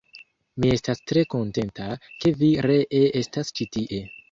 Mi estas tre kontenta, ke vi ree estas ĉi tie.